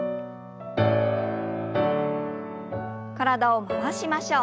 体を回しましょう。